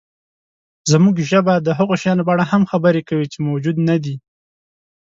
زموږ ژبه د هغو شیانو په اړه هم خبرې کوي، چې موجود نهدي.